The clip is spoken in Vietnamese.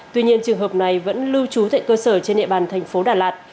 tuy nhiên trường hợp này vẫn lưu trú tại cơ sở trên địa bàn thành phố đà lạt